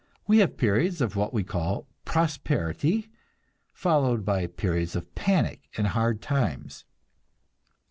We have periods of what we call "prosperity," followed by periods of panic and hard times.